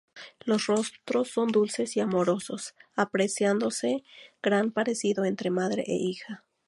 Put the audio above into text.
Los rostros son dulces y amorosos, apreciándose gran parecido entre madre e hija.